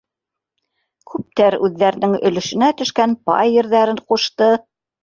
Күптәр үҙҙәренең өлөшөнә төшкән пай ерҙәрен ҡушты.